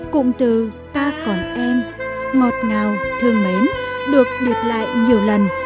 cụng từ ta còn em ngọt ngào thương mến được điệp lại nhiều lần